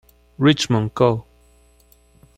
Richmond Co.